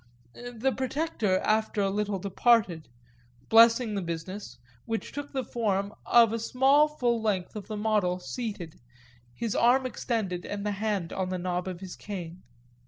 The protector after a little departed, blessing the business, which took the form of a small full length of the model seated, his arm extended and the hand on the knob of his cane.